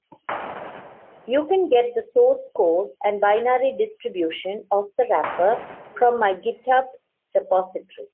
You can get the source code and binary distribution of the wrapper from my github repository.